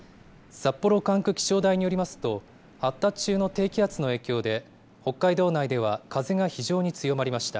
札幌管区気象台によりますと、発達中の低気圧の影響で、北海道内では、風が非常に強まりました。